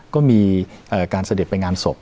ก็มีการเสด็จไปงานศพ